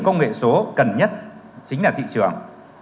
doanh nghiệp công nghệ số cẩn nhất chính là thị trường